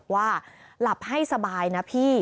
ว่าหลับให้สบายนะพี่